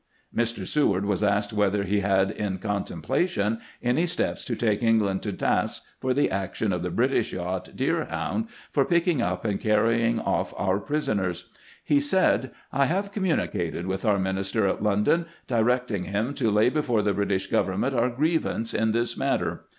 Mr. Seward was asked whether he had in contemplation any steps to take England to task for the action of the British yacht Deerhound for picking up and carrying off our prisoners. He said :" I have communicated with our minister at London, directing him to lay before the British govern ment our grievance in this matter.